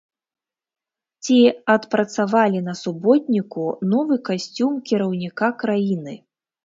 Ці адпрацавалі на суботніку новы касцюм кіраўніка краіны?